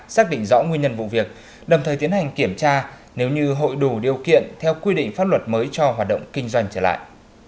xác định rõ nguyên nhân vụ việc đồng thời tiến hành kiểm tra nếu như hội đủ điều kiện theo quy định pháp luật mới cho hoạt động kinh doanh trở lại